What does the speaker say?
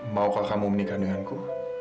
maukah kamu menikah denganku